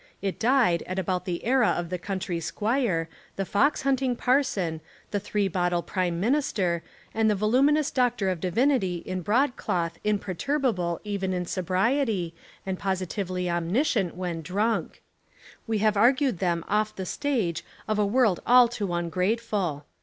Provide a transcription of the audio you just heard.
It died at about the era of the country squire, the fox hunting parson, the three bottle Prime Min ister, and the voluminous Doctor of Divinity in broadcloth imperturbable even in sobriety, and positively omniscient when drunk. We have argued them off the stage of a world all too ungrateful.